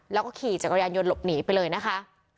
แล้วก็ขี่จักรยานยนต์หลบหนีไปเลยนะคะ